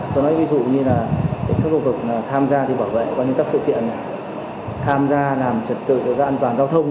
ví dụ như là cảnh sát khu vực tham gia bảo vệ các sự kiện tham gia làm trật tự an toàn giao thông